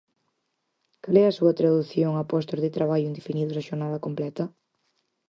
¿Cal é a súa tradución a postos de traballo indefinidos a xornada completa?